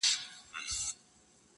د وخت مجنون يم ليونى يمه زه,